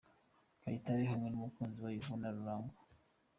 Kayitare hamwe n'umukunzi we Yvonne Rurangwa.